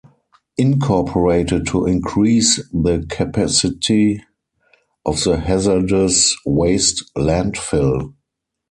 Incorporated to increase the capacity of the hazardous waste landfill.